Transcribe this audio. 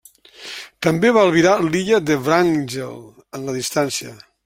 També va albirar l’Illa de Wrangel en la distància.